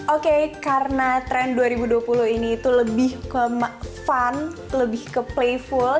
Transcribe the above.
oke karena tren dua ribu dua puluh ini itu lebih ke fun lebih ke playful